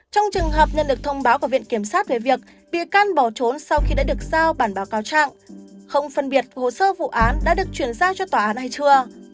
trong trường hợp nhận được thông báo của viện kiểm sát về việc bị can bỏ trốn sau khi đã được giao bản báo cáo trạng không phân biệt hồ sơ vụ án đã được chuyển giao cho tòa án hay chưa